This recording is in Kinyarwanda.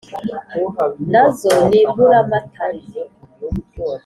nazo nimburamatare :